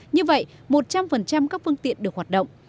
như vậy một trăm linh các phương tiện được hoạt động